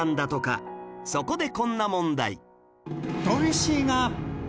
そこでこんな問題